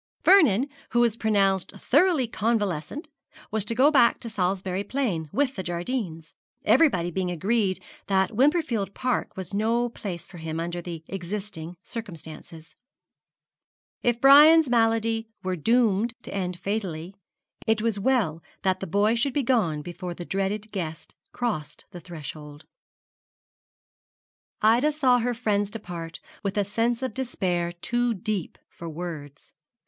Vernon, who was pronounced thoroughly convalescent, was to go back to Salisbury Plain with the Jardines, everybody being agreed that Wimperfield Park was no place for him under existing circumstances. If Brian's malady were doomed to end fatally, it was well that the boy should be gone before the dreaded guest crossed the threshold. Ida saw her friends depart with a sense of despair too deep for words.